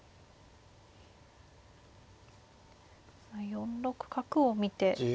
４六角を見て。